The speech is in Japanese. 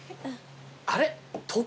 あれ？